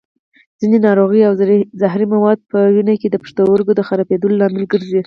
ځینې ناروغۍ او زهري مواد په وینه کې د پښتورګو د خرابېدو لامل ګرځي.